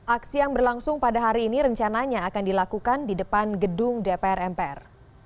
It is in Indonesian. aksi yang berlangsung pada hari ini rencananya akan dilakukan di depan gedung dpr mpr